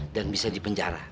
dan bisa dipenjara